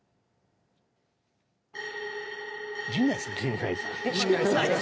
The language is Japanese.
陣内さんや。